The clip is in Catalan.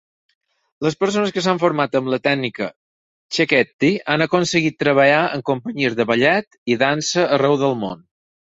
Les persones que s'han format amb la tècnica Cecchetti han aconseguit treballar en companyies de ballet i dansa arreu del món.